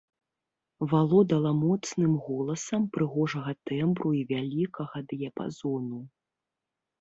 Валодала моцным голасам прыгожага тэмбру і вялікага дыяпазону.